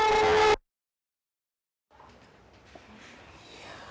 いや。